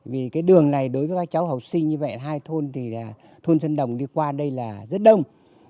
vì cái đường này đối với các cháu học sinh như vậy hai thôn thì là thôn dân đồng đi qua đây là rất đông